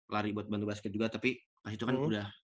lari buat bantu basket juga tapi pas itu kan udah